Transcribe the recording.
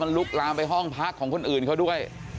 ลุกลามไปห้องพักของคนอื่นเขาด้วย